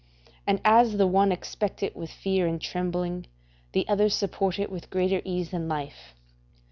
And as the one expect it with fear and trembling, the others support it with greater ease than life.